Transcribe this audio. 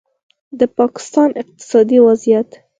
د پاکستان اقتصادي وضعیت